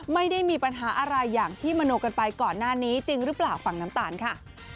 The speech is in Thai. ไม่ได้มีปัญหาอะไรอย่างที่มโนกันไปก่อนหน้านี้จริงหรือเปล่าฟังน้ำตาลค่ะ